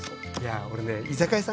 やあ俺ね居酒屋さん